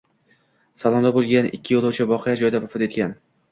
Salonda bo‘lgan ikki yo‘lovchi voqea joyida vafot etgan